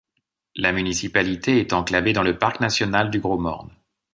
La municipalité est enclavée dans le parc national du Gros-Morne.